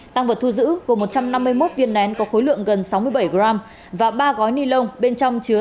tăng vật thu giữ gồm một trăm năm mươi một viên nén có khối lượng gần sáu mươi bảy g và ba gói ni lông bên trong chứa